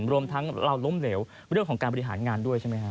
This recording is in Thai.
รวมทั้งเราล้มเหลวเรื่องของการบริหารงานด้วยใช่ไหมฮะ